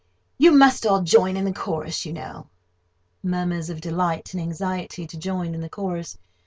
You must all join in the chorus, you know." [Murmurs of delight and anxiety to join in the chorus.